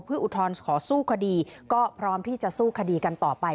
เพื่ออุทธรณ์ขอสู้คดีก็พร้อมที่จะสู้คดีกันต่อไป